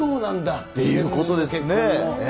っていうことですね。